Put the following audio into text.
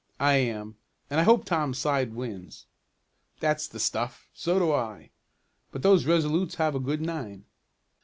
"I am, and I hope Tom's side wins." "That's the stuff! So do I. But those Resolutes have a good nine."